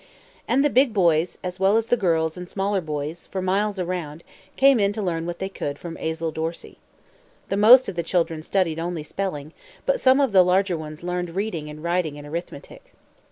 And the big boys, as well as the girls and the smaller boys, for miles around, came in to learn what they could from Azel Dorsey. The most of the children studied only spelling; but some of the larger ones learned reading and writing and arithmetic.